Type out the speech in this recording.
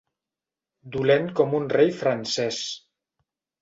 Dolent com un rei francès.